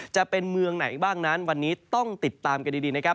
จะเป็นเมืองไหนบ้างนั้นวันนี้ต้องติดตามกันดีนะครับ